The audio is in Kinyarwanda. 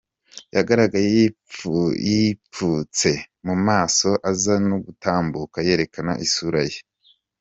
Yagaragaye yipfutse mu maso aza no gutambuka yerekana isura ye.